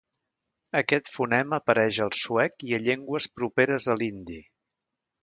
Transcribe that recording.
Aquest fonema apareix al suec i a llengües properes a l'hindi.